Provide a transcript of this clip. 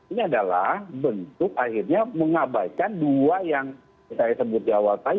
ini adalah bentuk akhirnya mengabaikan dua yang saya sebut di awal tadi